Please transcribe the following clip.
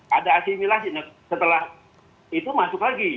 ada asimilasi setelah itu masuk lagi